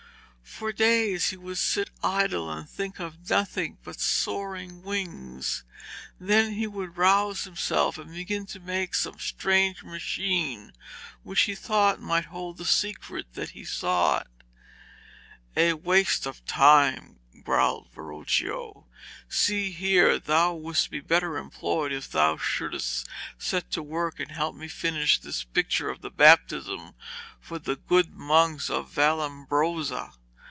For days he would sit idle and think of nothing but soaring wings, then he would rouse himself and begin to make some strange machine which he thought might hold the secret that he sought. 'A waste of time,' growled Verocchio. 'See here, thou wouldst be better employed if thou shouldst set to work and help me finish this picture of the Baptism for the good monks of Vallambrosa.